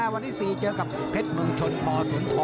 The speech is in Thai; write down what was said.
วันที่๔เจอกับเพชรเมืองชนพสุนทร